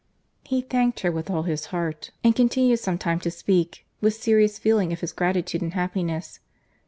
He thanked her with all his heart, and continued some time to speak with serious feeling of his gratitude and happiness.